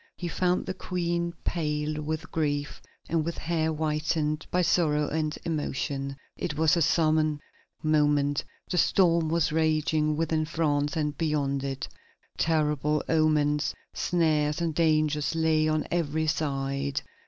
He found the Queen pale with grief and with hair whitened by sorrow and emotion. It was a solemn moment. The storm was raging within France and beyond it. Terrible omens, snares, and dangers lay on every side.